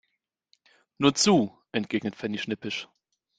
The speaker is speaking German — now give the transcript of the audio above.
Nur zu, entgegnet Fanny schnippisch.